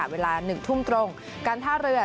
เวลา๑ทุ่มตรงการท่าเรือ